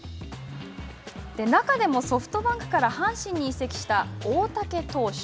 中でも、ソフトバンクから阪神に移籍した大竹投手。